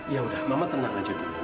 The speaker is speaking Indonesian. ya udah mama tenang aja tuh